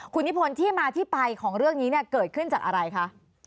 คุณนิพนธ์ที่มาที่ไปของเรื่องนี้เนี่ยเกิดขึ้นจากอะไรคะ